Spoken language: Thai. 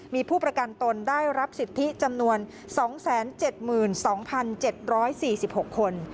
มีผู้ประกันตนได้รับสิทธิจำนวน๒๗๒๗๔๖คน